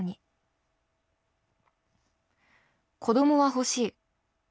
子どもは欲しい。